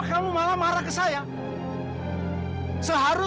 kamu tidak dibilang sesuai dengan aku